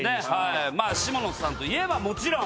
下野さんといえばもちろん！